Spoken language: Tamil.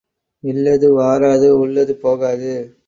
இல்லது வாராது உள்ளது போகாது.